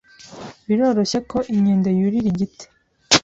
Biroroshye ko inkende yurira igiti.